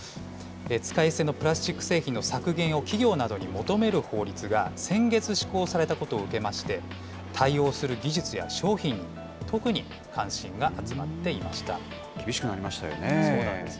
使い捨てのプラスチック製品の削減を、企業などに求める法律が先月施行されたことを受けまして、対応する技術や商品に、厳しくなりましたよね。